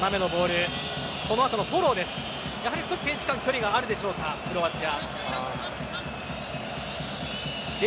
少し選手間の距離があるかクロアチア。